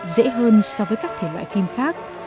dễ hơn so với các thể loại phim khác